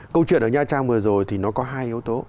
câu chuyện ở nha trang vừa rồi thì nó có hai yếu tố